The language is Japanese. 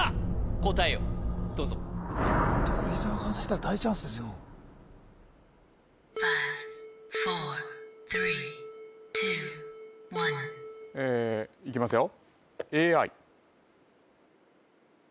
答えをどうぞこれ伊沢が外したら大チャンスですよえーいきますよ